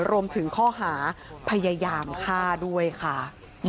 รวมถึงข้อหาพยายามฆ่าด้วยค่ะ